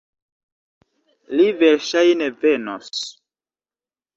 Li verŝajne venos.